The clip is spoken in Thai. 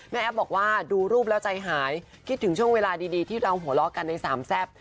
แอฟบอกว่าดูรูปแล้วใจหายคิดถึงช่วงเวลาดีที่เราหัวเราะกันในสามแซ่บ